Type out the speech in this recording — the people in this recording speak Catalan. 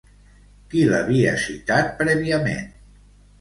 Qui l'havia citat prèviament?